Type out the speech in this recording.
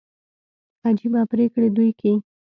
عجبه پرېکړي دوى کيي.